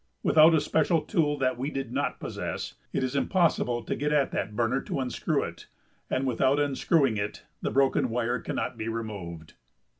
Without a special tool that we did not possess, it is impossible to get at that burner to unscrew it, and without unscrewing it the broken wire cannot be removed.